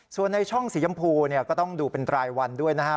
ส่วนในช่องสียำพูเนี่ยก็ต้องดูเป็นรายวันด้วยนะครับ